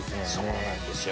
そうなんですよ。